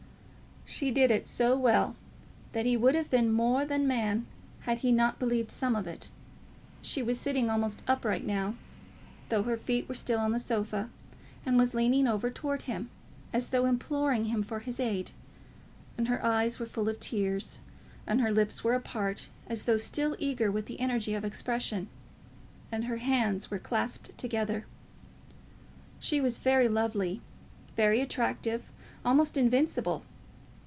She did it so well that he would have been more than man had he not believed some of it. She was sitting almost upright now, though her feet were still on the sofa, and was leaning over towards him, as though imploring him for his aid, and her eyes were full of tears, and her lips were apart as though still eager with the energy of expression, and her hands were clasped together. She was very lovely, very attractive, almost invincible.